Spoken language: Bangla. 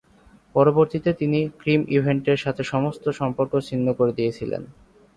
পরবর্তীতে তিনি ক্রিম ইভেন্টের সাথে সমস্ত সম্পর্ক ছিন্ন করে দিয়েছিলেন।